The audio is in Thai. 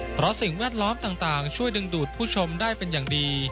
เพราะสิ่งแวดล้อมต่างช่วยดึงดูดผู้ชมได้เป็นอย่างดี